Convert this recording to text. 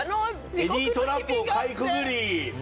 エディートラップをかいくぐり。